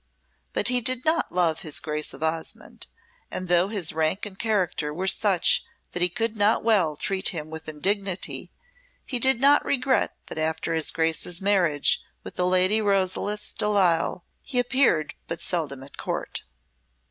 But he did not love his Grace of Osmonde, and though his rank and character were such that he could not well treat him with indignity, he did not regret that after his Grace's marriage with the Lady Rosalys Delile he appeared but seldom at Court.